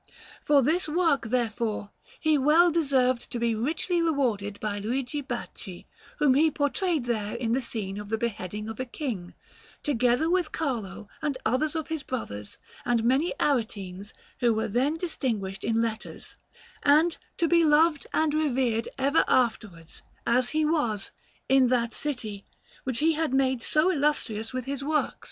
For this work, therefore, he well deserved to be richly rewarded by Luigi Bacci, whom he portrayed there in the scene of the beheading of a King, together with Carlo and others of his brothers and many Aretines who were then distinguished in letters; and to be loved and revered ever afterwards, as he was, in that city, which he had made so illustrious with his works.